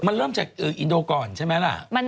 มันเริ่มจากอินโดก่อนใช่ไหมล่ะ